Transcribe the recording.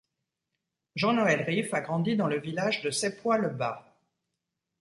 Jean-Noël Riff a grandi dans le village de Seppois-le-Bas.